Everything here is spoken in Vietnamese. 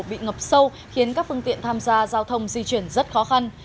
bị ngập sâu khiến các phương tiện tham gia giao thông di chuyển rất khó khăn